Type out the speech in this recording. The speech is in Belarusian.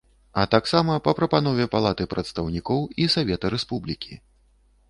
А таксама па прапанове Палаты прадстаўнікоў і Савета Рэспублікі.